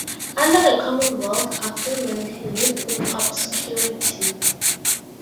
Under the Commonwealth of England he lived in obscurity.